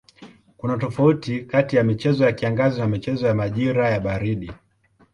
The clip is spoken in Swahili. Kuna tofauti kati ya michezo ya kiangazi na michezo ya majira ya baridi.